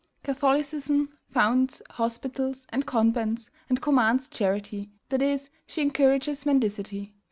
Catholicism founds hospitals and convents, and commands charity; that is, she encourages mendicity.